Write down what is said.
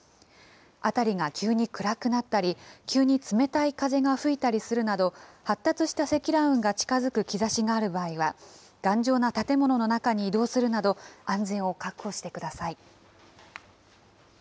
辺りが急に暗くなったり、急に冷たい風が吹いたりするなど、発達した積乱雲が近づく兆しがある場合は、頑丈な建物の中に移動するなど、安全を確保してください。